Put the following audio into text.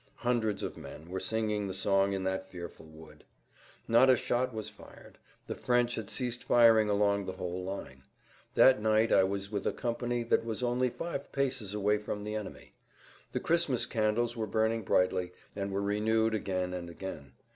Hundreds of men were singing the song in that fearful wood. Not a shot was fired; the French had ceased firing along the whole line. That night I was with a company that was only five paces away from the enemy. The Christmas candles were burning brightly, and were renewed again and again.